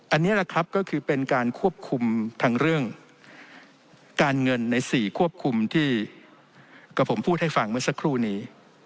อันนี้แหละครับก็คือเป็นการควบคุมทั้งเรื่องการเงินใน๔ควบคุมที่กับผมพูดให้ฟังเมื่อสักครู่นี้